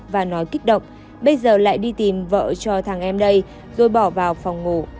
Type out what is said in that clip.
và nói kích động bây giờ lại đi tìm vợ cho thằng em đây rồi bỏ vào phòng ngủ